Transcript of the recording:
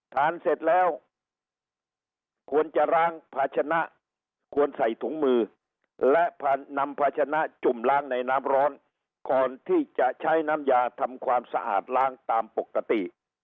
ทานเสร็จแล้วควรจะล้างภาชนะควรใส่ถุงมือและนำภาชนะจุ่มล้างในน้ำร้อนก่อนที่จะใช้น้ำยาทำความสะอาดล้างตามปกติ